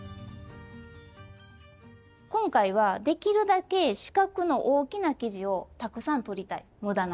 今回はできるだけ四角の大きな生地をたくさんとりたいむだなく。